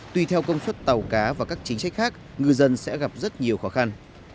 tùy theo công suất tàu cá và các chính sách khác ngư dân sẽ gặp rất nhiều khó khăn